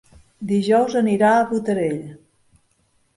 Dijous anirà a Botarell.